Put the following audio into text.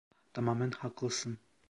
Tamamen haklısın.